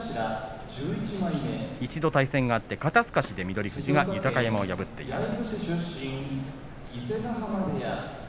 一度対戦があって肩すかしで翠富士が豊山を破っています。